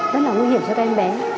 rất là nguy hiểm cho các em bé